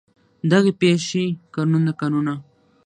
دغې پېښې کلونه کلونه